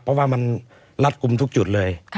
เพราะว่ามันรัดกลุ่มทุกจุดเลย